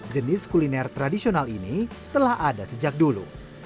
jenis kuliner tradisional ini telah ada sejak dulu